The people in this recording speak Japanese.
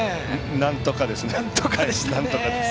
なんとかですね。